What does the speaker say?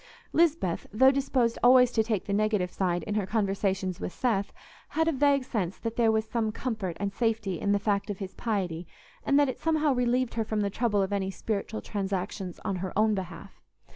Lisbeth, though disposed always to take the negative side in her conversations with Seth, had a vague sense that there was some comfort and safety in the fact of his piety, and that it somehow relieved her from the trouble of any spiritual transactions on her own behalf.